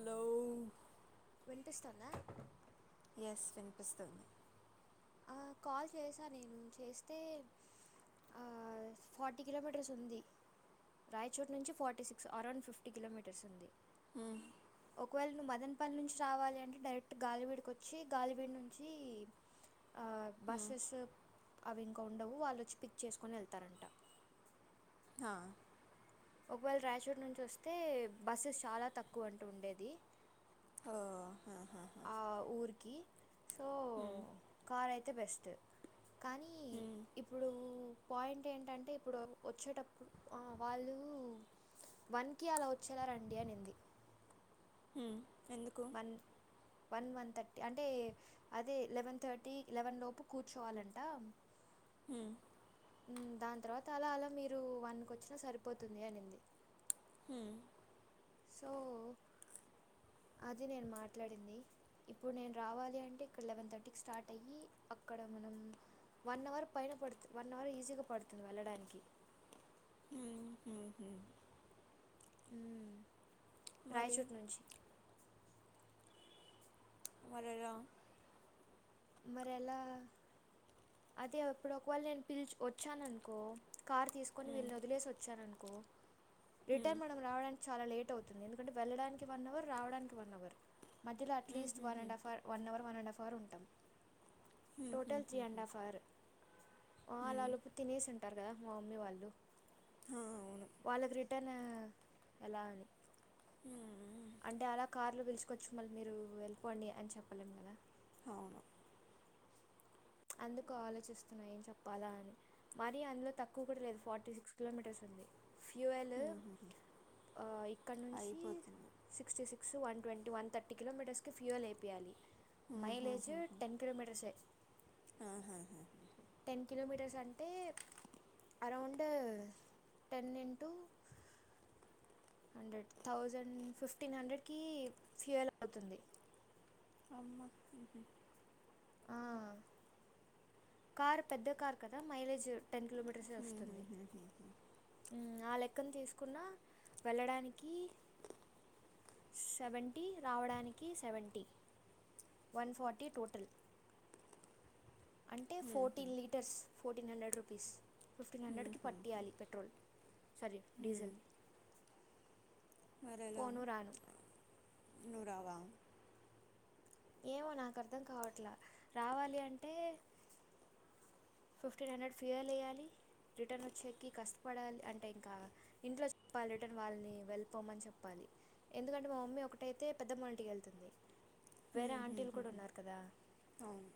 Hello వినిపిస్తోందా yes వినిపిస్తుంది ఆ కాల్ చేసా నేను చేస్తే ఆ ఫార్టీ కిలోమీటర్స్ ఉంది రాయచోరు నుంచి forty six around fifty kilometres ఉంది మ్ ఒకవేళ నువ్వు మదన్పల్లి నుంచి రావాలి అంటే డైరెక్ట్ గాలివీడికి వచ్చి గాలివీడు నుంచి ఆ బస్సెస్ అవి ఇంకా ఉండవు వాళ్ళుొచ్చి పిక్ చేసుకోని వెళ్తారంట హా ఒకవేళ రాయచూర్ నుంచి వస్తే బస్సెస్ చాలా తక్కువ అంట ఉండేది ఓ అహా ఆ ఊరికి సో హ్మ్, కార్ అయితే బెస్ట్ కానీ మ్ ఇప్పుడు పాయింట్ ఏంటంటే ఇప్పుడు వచ్చేటప్పుడు అ వాళ్ళు వన్ కీ అలా వచ్చేలా రండి అనింది మ్ ఎందుకు వన్ వన్ వన్ థర్టీ అంటే అదే లెవెన్ థర్టీ లెవెన్ లోపు కూర్చోవాలంట హ్మ్, మ్ దాని తర్వాత అలా అలా మీరు వన్కివచ్చినా సరిపోతుంది అనింది మ్ సో అది నేను మాట్లాడింది ఇప్పుడు నేను రావాలి అంటే ఇక్కడ లెవెన్ థర్టీకీ స్టార్ట్ అయ్యి అక్కడ మనం వన్ అవర్ పైన పడుతుంది. వన్ అవర్ ఈజీగా పడుతుంది వెళ్ళడానికి. హ్మ్, హ్మ్, హ్మ్. మరి రాయచూర్ నుంచి మరలా మరి ఎలా అదే ఇప్పుడు ఒకవేళ నేను వచ్చాను అనుకో కార్ తీసుకొని హ్మ్, వీళ్ళని వదిలేసి వచ్చాననుకో హ్మ్, రిటర్న్ మనం రావడానికి చాలా లేట్ అవుతుంది. ఎందుకంటే వెళ్ళడానికి వన్ అవర్ రావడానికి వన్ అవర్. మధ్యలో హ్మ్, అట్లీస్ట్ హ్మ్, వన్ హ్మ్. And half or one hour one and half hour ఉంటాం. హ్మ్, హ్మ్, టోటల్ త్రీ హ్మ్, అండ్ హ్మ్. Half hour. వాళ్ళు హ్మ్, ఆలోపు తినేసింట ఉంటారు కదా. మా మమ్మీ వాళ్ళు హా, అవును వాళ్ళకి రిటర్న్ ఎలా అని మ్ అంటే అలా కార్లో పిలుచుకొచ్చుకొని మళ్ళీ మీరు వెళ్ళిపోండి అని చెప్పలేం కదా? అవును అందుకు ఆలోచిస్తున్నా ఏం చెప్పాలా అని. మరి అందులో తక్కువ కూడా లేదు ఫార్టీ సిక్స్ కిలోమీటర్స్ ఉంది. ఫ్యూవల్ హ్మ్, హ్మ్, హ్మ్. ఇక్కడ నుంచి అయిపోతుంది sixty six one twenty one thirty కిలోమీటర్స్కి ఫ్యూల్ వేపియాలి. హ్మ్, మైలేజ్ టెన్ కిలోమీటర్స్ యే ఆహా! టెన్ కిలోమీటర్స్ అంటే around ten into hundred thousand fifteen హండ్రెడ్కి ఫ్యూయల్ అవుతుంది. అమ్మ ఆ కార్ పెద్ద కార్ కదా మైలేజ్ టెన్ కిలోమీటర్సే హ్మ్, వస్తుంది. హ్మ్, హ్మ్, హ్మ్. ఊ ఆ లెక్కన చూసుకున్న వెళ్ళడానికి సెవెంటీ రావడానికి సెవెంటీ వన్ ఫార్టీ టోటల్. అంటే హ్మ్, ఫోర్టీన్ హ్మ్, litres fourteen hundred rupees. Fifteen హ్మ్, హండ్రెడ్కి హ్మ్, హ్మ్. పట్టీయాలి. పెట్రోల్ సరే హ్మ్, డీజిల్ పోను రాను నువు రావా ఏమో నాకు అర్థం కావట్లా రావాలి అంటే ఫిఫ్టీన్ హండ్రెడ్ ఫియల్ వెయ్యాలి రిటర్న్ వచ్చేకి కష్టపడాలి అంటే ఇంకా ఇంట్లో చెప్పాలట వాళ్ళని వెళ్ళిపోమని చెప్పాలి. ఎందుకంటే మా మమ్మీ ఒకటైతే పెద్దమ్ వాళ్ళ ఇంటికి వెళ్తుంది. వేరే హ్మ్, హ్మ్, ఆంటీలు హ్మ్, కూడా హ్మ్. ఉన్నారు కదా. అవును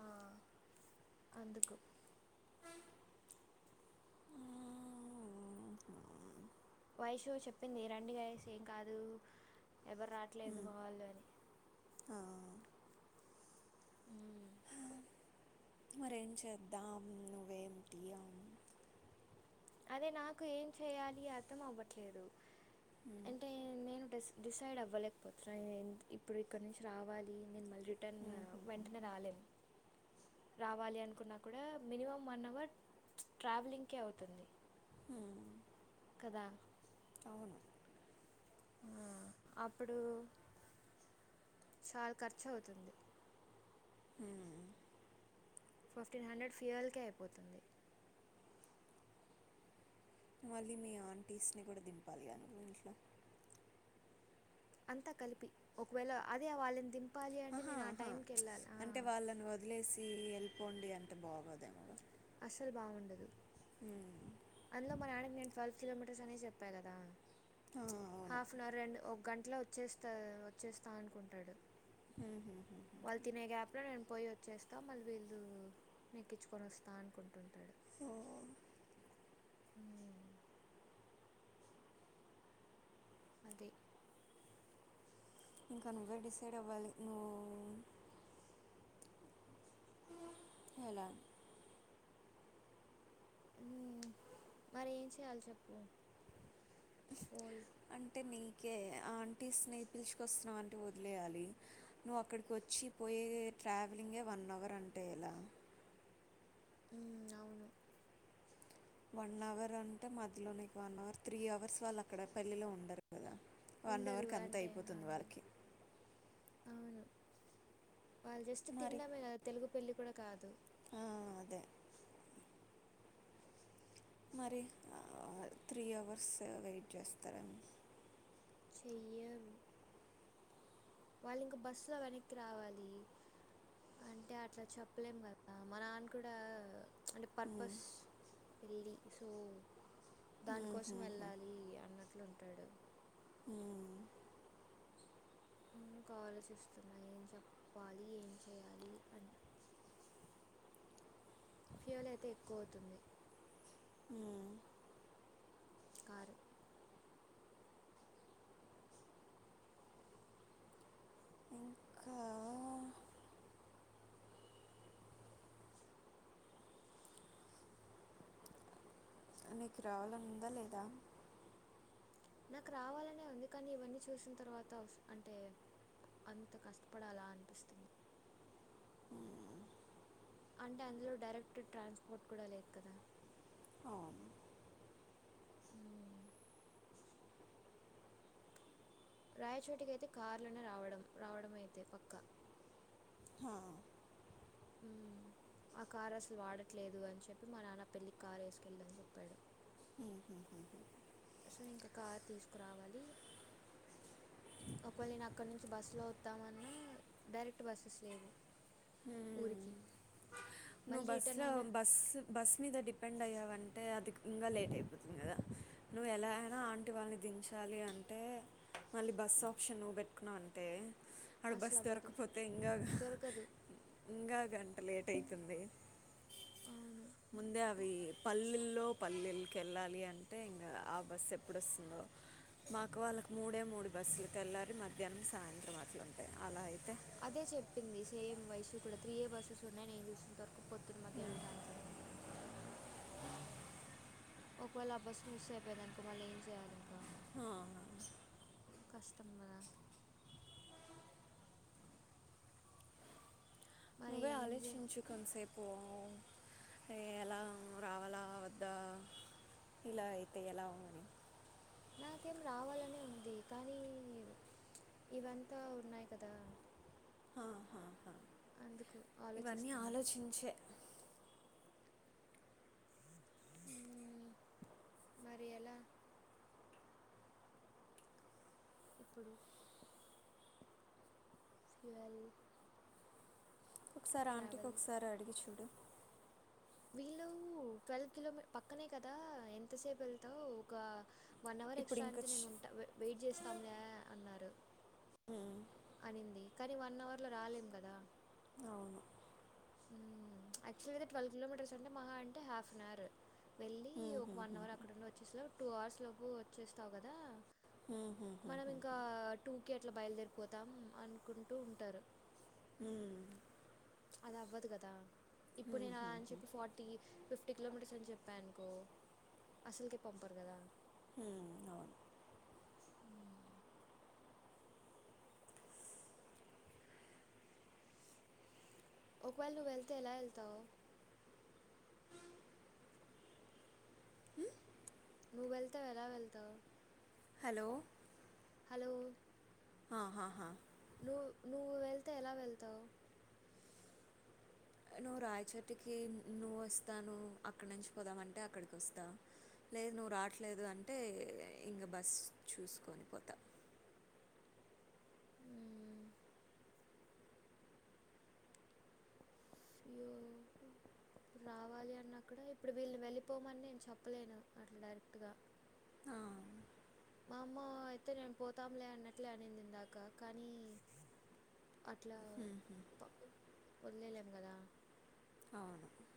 ఆ అందుకు ఆ వైషూ చెప్పింది రండి గయస్ ఏం కాదు ఎవరు రాట్లేదు హ్మ్, మా వాళ్ళు అని ఆ ఉ మరేం చేద్దాం నువ్వేటి అదే నాకు ఏం చెయాలి అర్థం అవ్వట్లేదు హ్మ్, అంటే నేను డిసైడ్ అవ్వలేకపోతున్నా నేను ఇప్పుడు ఇక్కడ నుంచి రావాలి నేను మళ్ళీ రిటర్న్ హ్మ్, హ్మ్, హ్మ్. వెంటనే రాలేను. [inaudible] రావాలి అనుకున్నా కూడా మినిమం వన్ అవర్ ట్రావెలింగ్కే అవుతుంది. హ్మ్, కదా అవును ఆ అప్పుడు చాలా ఖర్చు అవుతుంది మ్ ఫిఫ్టీన్ హండ్రెడ్ సీయల్కె అయిపోతుంది మళ్ళీ మీ ఆంటీస్ని కూడా దింపాలిగా నువ్వు ఇంట్లో అంతా కలిపి ఒకవేళ అదే వాళ్ళని దింపాలి అంటే ఆహా నేను ఆ ఆహా టైంకి వెళ్ళాలి ఆ అంటే వాళ్ళని వదిలేసి వెళ్ళిపోండి అంటే బాగోదేమొ అస్సలు బాగుండదు హ్మ్ అందులో మా నాన్నకి నేను ట్వెల్వ్ కిలోమీటర్స్ అనే చెప్పా కదా ఆ, అవును హాఫ్ అన్ అవర్ రెండు ఒక గంటలో వచ్చేస్తా వచ్చేస్తా అనుకుంటాడు హ్మ్, హ్మ్, హ్మ్, హ్మ్. వాళ్ళ తినే గ్యాప్లో నేను పోయి యొ చేస్తా మళ్ళీ వీళ్ళ నెక్కించుకొని వస్తా అనుకుంటుంటాడు సో మ్ అది ఇంకా నువ్వే డిసైడ్ అవ్వాలి నువ్వు ఎలా ని మ్ మరి ఏం చేయాలి చెప్పు బోల్ అంటే నీకే ఆంటీస్ని పిలుచుకొస్తున్నావంటే వదిలేయాలి నువ్వు అక్కడికి వచ్చి పోయేదే ట్రావెలింగే వన్ అవర్ అంటే ఎలా మ్ అవును వన్ అవర్ అంటే మధ్యలో లో నీకు వన్ అవర్ త్రీ అవర్స్ వాళ్ళు అక్కడ పెళ్ళిలో ఉండరు కదా వన్ ఉండరు అవర్కి అంత అంటే ఆ, అయిపోతుంది వాళ్ళకి అవును వాళ్ళు జస్ట్ మరి తినడమే కదా తెలుగు పెళ్లి కూడా కాదు ఆ, అదే మరి త్రీ అవర్స్ వెయిట్ చేస్తారా చెయ్యరు వాళ్ళు ఇంక బస్ లో వెనక్కి రావాలి అంటే అట్లా చెప్పలేం కదా మా నాన్న కూడా అంటే ఉమ్, పర్పస్ పెళ్ళి సో దాని ఉమ్, కోసం ఉమ్, వెళ్ళాలి అన్నట్లు ఉంటాడు మ్ అందుకు ఆలోచిస్తున్నా ఏం చెప్పాలి ఏం చేయాలి అని ఫ్యూయల్ అయితే ఎక్కువ అవుతుంది మ్ కారు ఇంకా నీకు రావాలని ఉందా లేదా నాకు రావాలనే ఉంది కానీ ఇవన్నీ చూసిన తర్వాత అంటే అంత కష్టపడాలా అనిపిస్తుంది మ్ అంటే అందులో డైరెక్ట్ ట్రాన్స్పోర్ట్ కూడా లేదు కదా అవును మ్ రాయచోటికి అయితే కార్లనే రావడం రావడం అయితే పక్కా హా ఆ కార్ అసలు వాడట్లేదు అని చెప్పి మా నాన్న పెళ్ళికి కారు వేసుకెళ్ళమని చెప్పాడు ఉహుహు హు సో ఇంక కార్ తీసుకురావాలి ఒకవేళ నేను అక్కడ నుంచి బస్సు లో వస్తామన్నా డైరెక్ట్ బస్సెస్ లేవు హ్మ్ ను బస్లో బస్ బస్సు మీద డిపెండ్ అయ్యావంటే అది ఇంకా లేట్ అయిపోతుంది కదా నువ్వు ఎలా అయినా ఆంటి వాళ్ళని దించాలి అంటే మళ్ళీ బస్ ఆప్షన్ నువ్వు పెట్టుకున్నా అంటే అది బస్ అసలు అవ్వదు దొరకపోతే ఇంకా దొరకదు ఇంకా గంట లేట్ అవుతుంది అవును ముందే అవి పల్లెల్లో పల్లేలకి వెళ్ళాలి అంటే ఇంగా ఆ బస్సు ఎప్పుడోస్తుందో మాకు వాళ్ళకు మూడే మూడు బస్సులు తెల్లారి మధ్యాహ్నం సాయంత్రం అట్లు ఉంటాయి అలా అయితే అదే చెప్పింది సేమ్ వైషూ కూడా త్రీ ఏ బస్సెస్ ఉన్నాయి నేను చూసినంత వరకు పొద్దున మధ్యాహ్నం సాయంత్రం అని [inaudible] ఒకవేళ ఆ బస్ మిస్ అయిపోయింది అనుకో మళ్ళీ ఏం చేయాలి ఇంకా ఆ కష్టం కదా మరి నువ్వే ఏం చే ఆలోచించు కొంసేపు ఎలా రావాల వద్దా ఇలా అయితే ఎలా అని నాకేం రావాలనే ఉంది కానీ ఇవంతా ఉన్నాయి కదా హా, హా, హా. అందుకు ఆలోచిస్తున్నా చించే మ్మ్ మరి ఎలా ఇప్పుడు ఫ్యూయల్ ఒకసారి ఆంటీకి ట్రావెల్ ఒకసారి అడిగి చూడు వీళ్ళు ట్వెల్వ్ కిలోమీ పక్కనే కదా ఎంతసేపు వెళ్తావ్ ఒక వన్ అవర్ ఇప్పుడు ఎక్స్ట్రా ఇంకా అయితే నేను చి- ఉంటా వెయిట్ చేస్తాంలే అన్నారు అనింది కానీ వన్ అవర్ లో రాలేం కదా అవును యాక్టువల్గా ట్వెల్వ్ కిలోమీటర్స్ అంటే మహా అంటే హాఫ్ అన్ అవర్ వెళ్ళి ఒక వన్ అవర్ అక్కడుండి వచ్చేసేలా టూ అవర్స్ లోపు వచ్చేస్తావు కదా ఉహుహు తను ఇంకా టూ కి అట్లా బయలుదేరిపోతాం అనుకుంటూ ఉంటారు హ్మ్ అది అవ్వదు కదా ఇప్పుడు నేను అలా అని చెప్పి ఫార్టీ ఫిఫ్టీ కిలోమీటర్స్ అని చెప్పా అనుకో అసలకే పంపరు కదా హ్మ్ అవును మ్మ్. ఒకవేళ నువ్వు వెళ్తే ఎలా వెళ్తావు నువ్వు వెళ్తావు ఎలా వెళ్తావు హలో హలో ఆహాహా నువ్వు నువ్వు వెళ్తే ఎలా వెళ్తావు నువ్వు రాయచోటుకి నువ్వు వస్తాను అక్కడి నుంచి పోదామంటే అక్కడికి వస్తా లేదు నువ్వు రావట్లేదు అంటే ఇంకా బస్సు చూసుకొని పోతా మ్మ్. అో [inaudible] రావాలి అని అక్కడ ఇప్పుడు వీలు వెళ్ళిపోమని నేను చెప్పలేను అట్లా డైరెక్ట్ గా ఆ, వామ్మో అయితే నేను పోతాంలే అన్నట్లే అనింది ఇందాక కానీ అట్లా హ్మ్, హ్మ్. వదిలేలేం కదా అవును [unintelligible]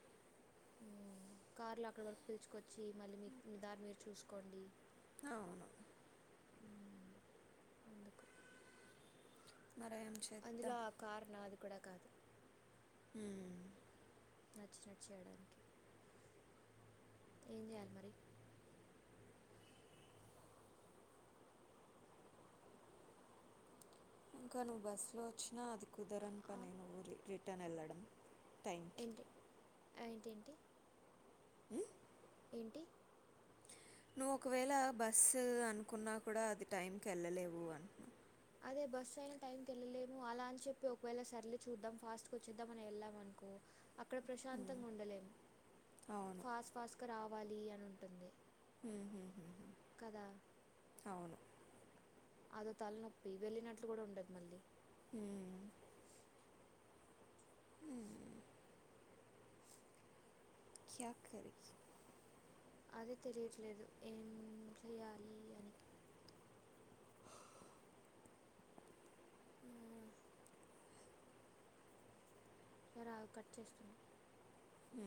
కార్లో అక్కడ వరకు పిలుచుకొచ్చి మళ్ళీ మీ మీ దారి మీరు చూసుకోండి అవును [unintelligible] అ [inaudible] మరేంంచి [unintelligible] అందులో ఆ కారు నాది కూడా కాదు ఉ నచ్చినట్టు చేయడానికి ఏం చేయాలి మరి నువ్వు బస్సులో వచ్చినా అది కుదరని ఆ, పని నువ్వు రి రిటర్న్ వెళ్ళడం టైం ఏంటి ఏంటేంటి [unintelligible] ఉహ్ [unintelligible] ఏంటి నువ్వు ఒకవేళ బస్సు అనుకున్నా కూడా అది టైంకి వెళ్ళలేవు అని అదే బస్సు అయినా టైం కి వెళ్ళలేము అలా అని చెప్పి ఒకవేళ సర్లే చూద్దాం ఫాస్ట్ గ వచ్చేద్దాం అని వెళ్ళాం అనుకో అక్కడ ఉమ్, ప్రశాంతంగా ఉండలేం అవును ఫాస్ట్ ఫాస్ట్ గ రావాలి అని ఉంటుంది ఉమ్, ఉమ్, ఉమ్, ఉమ్, కదా అవును అదో తలనొప్పి వెళ్ళినట్లు కూడా ఉండదు మళ్ళీ ఉం ఉమ్, క్యాక్కరరి [unintelligible] అదే తెలియట్లేదు ఏం చెయాలి అని ఉ సరే ఆగు కట్ చేస్తున్నా ఉ